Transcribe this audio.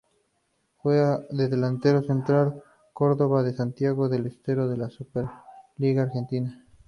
Juega de delantero en Central Córdoba de Santiago del Estero de la Superliga Argentina.